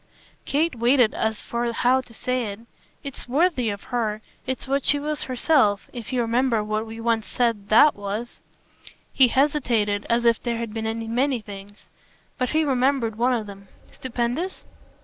Kate waited as for how to say it. "It's worthy of her. It's what she was herself if you remember what we once said THAT was." He hesitated as if there had been many things. But he remembered one of them. "Stupendous?"